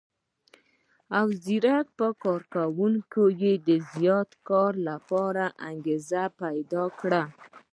او څرنګه په کار کوونکو کې د زیات کار لپاره انګېزه پيدا کړي.